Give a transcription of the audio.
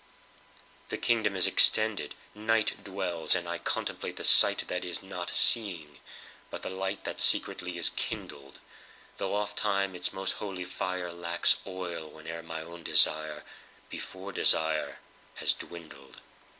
The kingdom is extended. NightDwells, and I contemplate the sightThat is not seeing, but the lightThat secretly is kindled, Though oft time its most holy fireLacks oil, whene'er my own DesireBefore desire has dwindled.